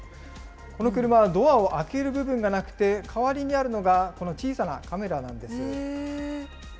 この車はドアを開ける部分がなくて、代わりにあるのが、この小さなカメラなんです。